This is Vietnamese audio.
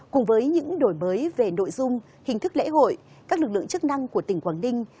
cùng với những đổi mới về nội dung hình thức lễ hội các lực lượng chức năng của tỉnh quảng ninh